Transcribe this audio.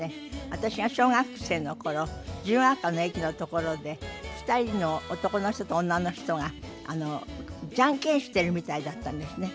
私が小学生の頃自由が丘の駅のところで２人の男の人と女の人がジャンケンしているみたいだったんですね。